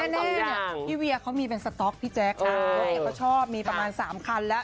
แน่พี่เวียเค้ามีเป็นสต๊อกพี่แจ๊คเค้าชอบมีประมาณ๓คันแล้ว